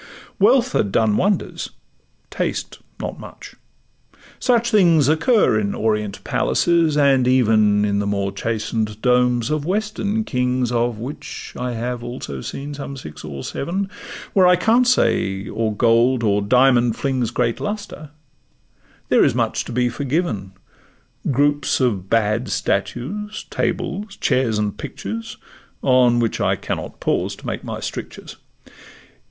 Wealth had done wonders—taste not much; such things Occur in Orient palaces, and even In the more chasten'd domes of Western kings (Of which I have also seen some six or seven), Where I can't say or gold or diamond flings Great lustre, there is much to be forgiven; Groups of bad statues, tables, chairs, and pictures, On which I cannot pause to make my strictures.